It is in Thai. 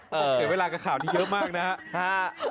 เสร็จเวลากับข่าวที่เยอะมากนะครับ